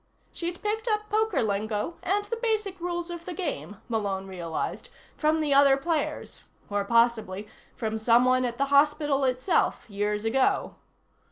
She'd picked up poker lingo, and the basic rules of the game, Malone realized, from the other players or possibly from someone at the hospital itself, years ago.